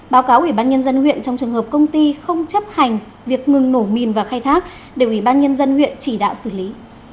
báo cáo ủy ban nhân dân huyện trong trường hợp công ty không chấp hành việc ngừng nổ mìn và khai thác để ủy ban nhân dân huyện chỉ đạo xử lý